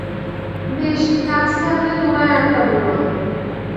বেশ, কাজ থাকলে তোমায় আটকাব না।